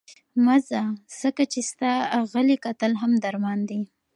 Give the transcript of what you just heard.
مه ځه، ځکه چې ستا غلي کتل هم درمان دی.